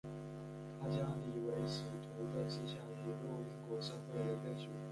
他将李维史陀的思想引进英国社会人类学。